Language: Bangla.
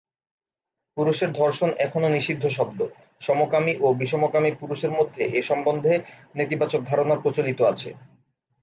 পুরুষের ধর্ষণ এখনও নিষিদ্ধ শব্দ, সমকামী ও বিষমকামী পুরুষের মধ্যে এ সম্বন্ধে নেতিবাচক ধারণা প্রচলিত আছে।